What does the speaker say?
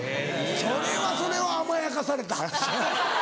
それはそれは甘やかされた。